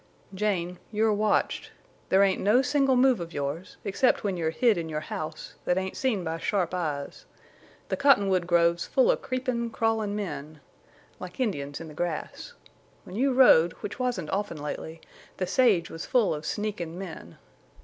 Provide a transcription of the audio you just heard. "Jane, you're watched. There's no single move of yours, except when you're hid in your house, that ain't seen by sharp eyes. The cottonwood grove's full of creepin', crawlin' men. Like Indians in the grass. When you rode, which wasn't often lately, the sage was full of sneakin' men.